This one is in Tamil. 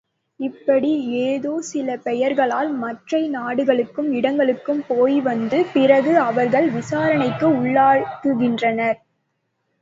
இப்படி ஏதோ சில பெயர்களால் மற்றை நாடுகளுக்கும் இடங்களுக்கும் போய்வந்த பிறகு அவர்கள் விசாரணைக்கு உள்ளாகின்றனர்.